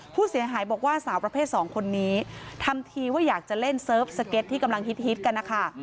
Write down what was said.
ผู้เสียหายบอกว่าสาวประเภทสองคนนี้ทำทีว่าอยากจะเล่นเซิร์ฟสเก็ตที่กำลังฮิตกันนะคะ